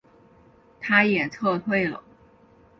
他也撤退了。